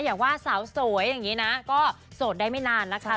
อย่างว่าสาวสวยอย่างนี้นะก็โสดได้ไม่นานนะคะ